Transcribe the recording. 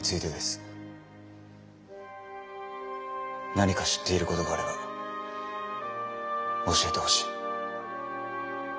何か知っていることがあれば教えてほしい。